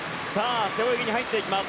背泳ぎに入っていきます。